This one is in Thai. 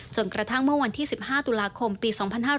กระทั่งเมื่อวันที่๑๕ตุลาคมปี๒๕๕๙